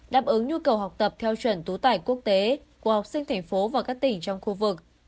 đáp ứng nhu cầu học tập theo chuẩn tú tải quốc tế của học sinh thành phố và các tỉnh trong khu vực